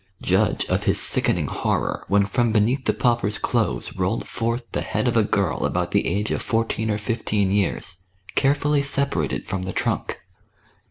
Judge of his sickening horror when from beneath the pauper's clothes rolled forth the head of a girl about the age of fourteen or j&fteen years, carefully separated from the trunk.